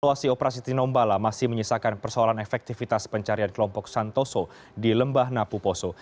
situasi operasi tinombala masih menyisakan persoalan efektivitas pencarian kelompok santoso di lembah napu poso